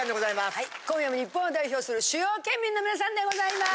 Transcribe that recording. はい今夜も日本を代表する主要県民の皆さんでございます。